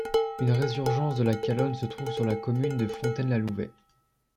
Une résurgence de la Calonne se trouve sur la commune de Fontaine-la-Louvet.